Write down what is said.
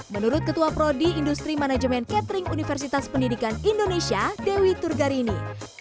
menurut ketua pro di industri manajemen kettering universitas pendidikan indonesia dewi turgarini